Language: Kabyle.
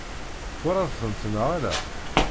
Twalaḍ-tent neɣ ala?